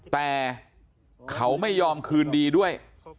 แต่เขาไม่ยอมคืนดีด้วย